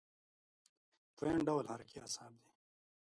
دویم ډول حرکي اعصاب دي.